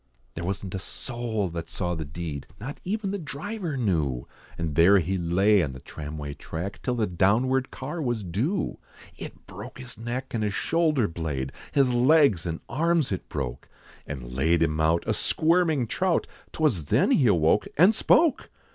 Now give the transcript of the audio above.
There wasn't a soul that saw the deed, Not even the driver knew, And there he lay on the tramway track, Till the townward car was due. It broke his neck, and his shoulder blade, His legs, and arms, its broke, And laid him out, a squirming trout, 'Twas then he awoke, and spoke!